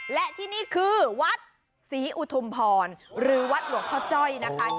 และที่นี่คือวัดศรีอุทุมพรหรือวัดหลวงพ่อจ้อยนะคะ